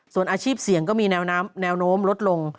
ส่วนอาชีพเสี่ยงก็มีแนวโน้มลดลง